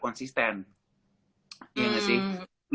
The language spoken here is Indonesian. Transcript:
konsisten iya gak sih